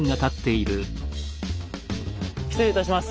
失礼いたします。